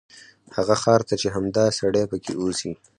هغه ښار ته چې همدا سړی پکې اوسي.